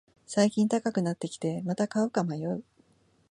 最近高くなってきて、また買うか迷う